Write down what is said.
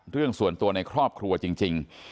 เรื่องส่วนตัวในครอบครัวจริง